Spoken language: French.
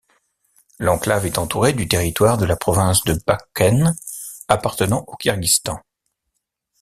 L'enclave est entourée du territoire de la province de Batken appartenant au Kirghizistan.